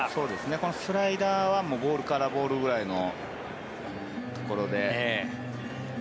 このスライダーはボールからボールくらいのところで。